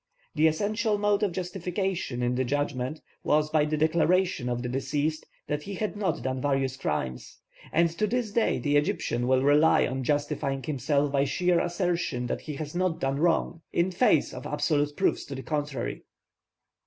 The essential mode of justification in the judgment was by the declaration of the deceased that he had not done various crimes; and to this day the Egyptian will rely on justifying himself by sheer assertion that he has not done wrong, in face of absolute proofs to the contrary.